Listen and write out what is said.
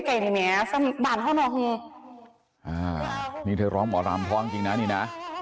เหมือนอายนัดมาพาเต็มดอกลาหางกัน